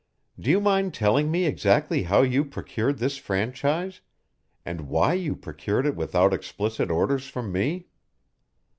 Do you mind telling me exactly how you procured this franchise and why you procured it without explicit orders from me?"